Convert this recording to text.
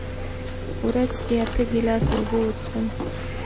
ورځ کې اته ګیلاسه اوبه وڅښئ.